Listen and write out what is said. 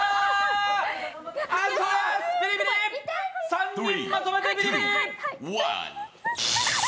３人まとめてビリビリ。